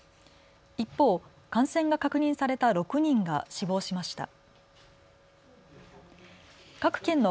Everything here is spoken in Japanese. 一方、感染が確認された６人が死亡しました。